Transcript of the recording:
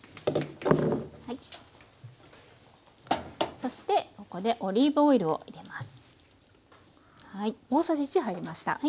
そしてここでオリーブオイルを入れます。